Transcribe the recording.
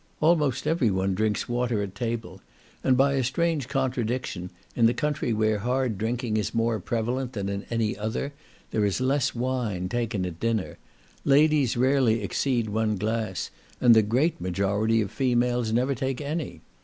Almost every one drinks water at table, and by a strange contradiction, in the country where hard drinking is more prevalent than in any other, there is less wine taken at dinner; ladies rarely exceed one glass, and the great majority of females never take any.